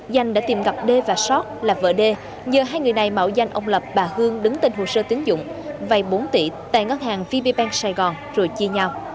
danh đã tìm gặp d và sót là vợ đê nhờ hai người này mạo danh ông lập bà hương đứng tên hồ sơ tiến dụng vay bốn tỷ tại ngân hàng vp bank sài gòn rồi chia nhau